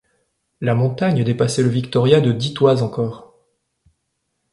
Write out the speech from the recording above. La montagne dépassait le Victoria de dix toises encore.